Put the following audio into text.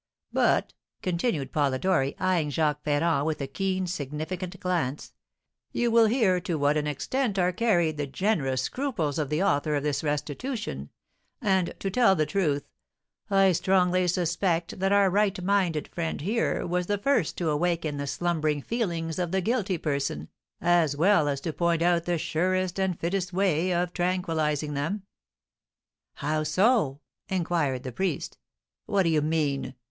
"But," continued Polidori, eyeing Jacques Ferrand with a keen, significant glance, "you will hear to what an extent are carried the generous scruples of the author of this restitution; and, to tell the truth, I strongly suspect that our right minded friend here was the first to awaken the slumbering feelings of the guilty person, as well as to point out the surest and fittest way of tranquillising them." "How so?" inquired the priest. "What do you mean?"